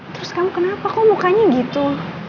terus kamu kenapa kok mukanya gitu